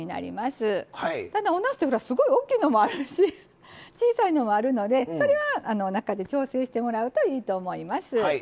ただおなすってすごい大きいのもあるし小さいのもあるのでそれは中で調整してもらうといいと思います。